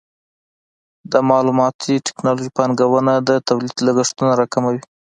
د معلوماتي ټکنالوژۍ پانګونه د تولید لګښتونه راکموي.